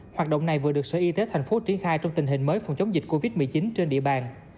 hoạt động này vừa được sở y tế thành phố triển khai trong tình hình mới phòng chống dịch covid một mươi chín trên địa bàn